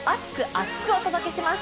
厚く！お届けします。